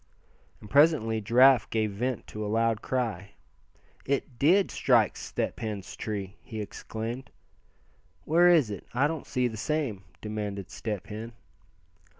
And presently Giraffe gave vent to a loud cry. "It did strike Step Hen's tree!" he exclaimed. "Where is it? I don't see the same;" demanded Step Hen.